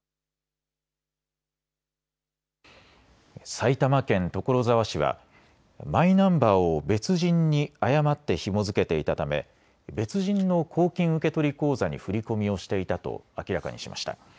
埼玉県所沢市はマイナンバーを別人に誤ってひも付けていたため別人の公金受取口座に振り込みをしていたと明らかにしました。